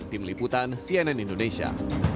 tim liputan cnn indonesia